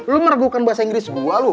lo meragukan bahasa inggris gue lo